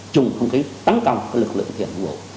dùng không khí tấn công lực lượng thi hành công vụ